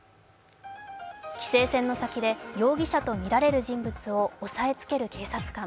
規制線の先で容疑者とみられる人物を押さえつける警察官。